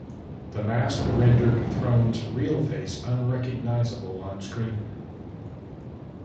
The mask rendered Throne's real face unrecognizable on screen.